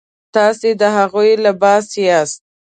تاسو د هغوی لباس یاست.